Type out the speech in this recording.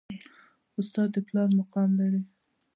استاد د پلار مقام لري